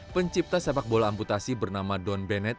pencipta sepak bola amputasi bernama don benet